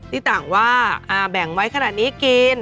ที่ต่างว่าแบ่งไว้ขนาดนี้กิน